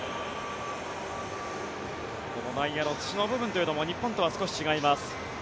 この内野の土の部分というのも日本とは少し違います。